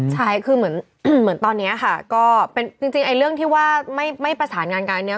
ใช่คือเหมือนตอนนี้ค่ะก็เป็นจริงเรื่องที่ว่าไม่ประสานงานกันอันนี้